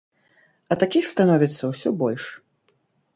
А такіх становіцца ўсё больш.